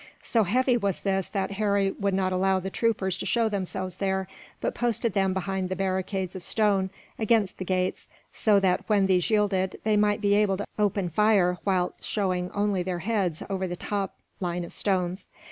So heavy was this that Harry would not allow the troopers to show themselves there, but posted them behind the barricades of stone against the gates so that, when these yielded, they might be able to open fire whilst showing only their heads over the top line of stones.